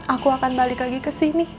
aku akan balik lagi kesini